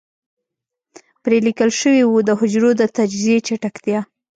پرې ليکل شوي وو د حجرو د تجزيې چټکتيا.